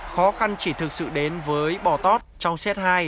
khó khăn chỉ thực sự đến với bò tót trong xét hai